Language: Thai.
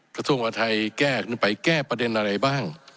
กระทรวงอาทัยแก้ขึ้นไปแก้ประเด็นอะไรบ้าง